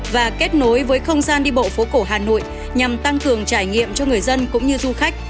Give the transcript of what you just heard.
và kết nối với không gian đi bộ phố cổ hà nội nhằm tăng cường trải nghiệm cho người dân cũng như du khách